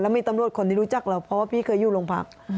มีตำรวจคนที่รู้จักเราเพราะว่าพี่เคยอยู่โรงพัก